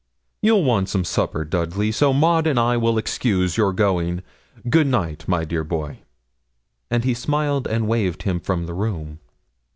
'You'll want some supper, Dudley, so Maud and I will excuse your going. Good night, my dear boy,' and he smiled and waved him from the room.